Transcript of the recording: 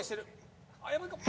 あっやばいかも。